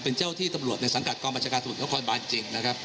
เป็นเจ้าที่ตำรวจในสังกัดกองบัญชาการตรวจนครบานจริงนะครับ